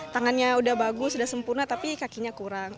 tangannya udah bagus udah sempurna tapi kakinya kurang